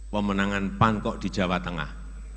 pemenangan pankok di jawa tengah